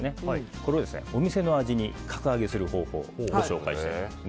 これをお店の味に格上げする方法をご紹介したいと思います。